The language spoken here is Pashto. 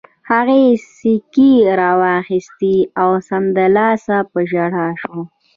هغې سیکې را واخیستې او سملاسي په ژړا شوه